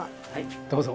どうぞ。